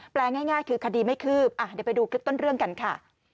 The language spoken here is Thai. ง่ายคือคดีไม่คืบเดี๋ยวไปดูคลิปต้นเรื่องกันค่ะ